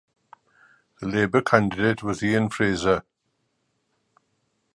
The Labor candidate was Ian Fraser.